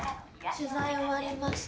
取材終わりました